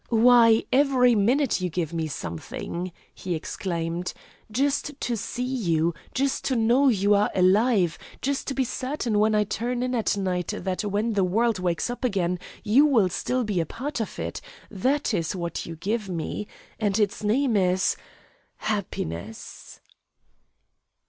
"Why, every minute you give me something," he exclaimed. "Just to see you, just to know you are alive, just to be certain when I turn in at night that when the world wakes up again you will still be a part of it; that is what you give me. And its name is Happiness!"